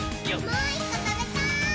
もう１こ、たべたい！